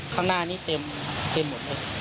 ข้างหน้านี้เต็มหมดเลย